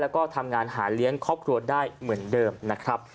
แล้วก็ทำงานหาเลี้ยงครอบครัวได้เหมือนเดิมนะครับ